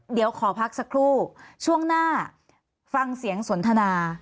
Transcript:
เดี๋ยวขอพักสักครู่ช่วงหน้าฟังเสียงสนทนา